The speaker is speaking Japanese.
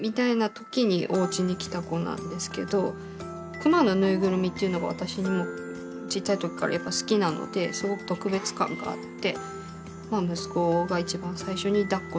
クマのぬいぐるみっていうのが私もちっちゃい時からやっぱり好きなのですごく特別感があって。